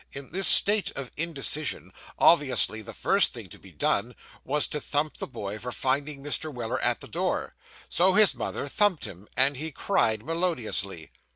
In this state of indecision, obviously the first thing to be done, was to thump the boy for finding Mr. Weller at the door. So his mother thumped him, and he cried melodiously.